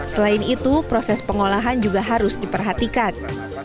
selain itu proses pengolahan juga harus diperhatikan